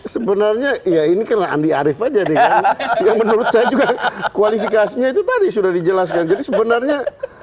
sebenarnya ya ini karena andi arief aja nih kan yang menurut saya juga kualifikasinya itu tadi sudah dijelaskan jadi sebenarnya